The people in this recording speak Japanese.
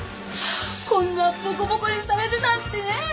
こんなボコボコにされるなんてねぇ。